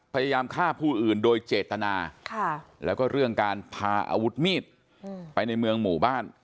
พยายามฆ่าผู้อื่นโดยเจตนาแล้วก็เรื่องการพาอาวุธมีดไปในเมืองหมู่บ้าน